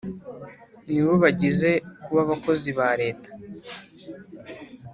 Nibo bagize kuba abakozi ba Leta